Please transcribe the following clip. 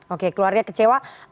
oke keluarga kecewa